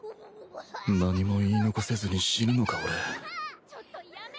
何も言い残せずに死ぬのか？